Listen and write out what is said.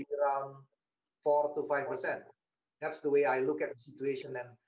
itulah cara saya melihat situasi